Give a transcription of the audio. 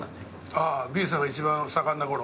あＢさんが一番盛んなころ？